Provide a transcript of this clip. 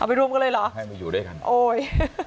ไปร่วมกันเลยเหรอให้มาอยู่ด้วยกันโอ้ย